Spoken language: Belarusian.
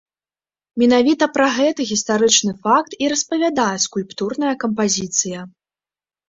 Менавіта пра гэты гістарычны факт і распавядае скульптурная кампазіцыя.